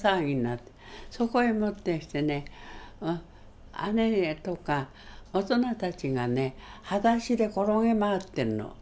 そこへもってきてね姉とか大人たちがね裸足で転げ回ってんの。